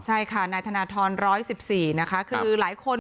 ใช่ค่ะนายธนธรรมร้อยสิบสี่นะคะคือหลายคน